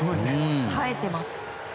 耐えてます。